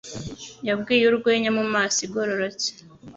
Yabwiye urwenya mumaso igororotse.